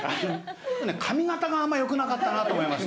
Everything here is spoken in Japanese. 髪形があんま良くなかったなって思います。